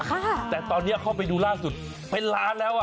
โคตรตอนนี้เข้าไปดูล่างสุดเป็นร้านแล้ว